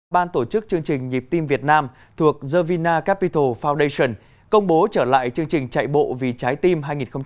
ban tổ chức chương trình nhịp tim việt nam thuộc the vina capital foundation công bố trở lại chương trình chạy bộ vì trái tim hai nghìn hai mươi